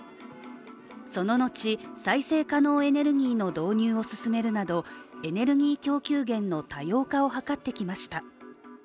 そののち、再生可能エネルギーの導入を進めるなどエネルギー供給源の多様化を図ってきました。